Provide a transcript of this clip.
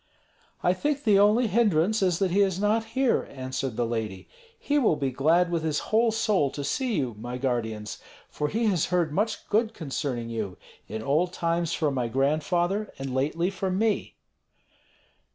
"I think the only hindrance is that he is not here," answered the lady. "He will be glad with his whole soul to see you, my guardians, for he has heard much good concerning you, in old times from my grandfather, and lately from me."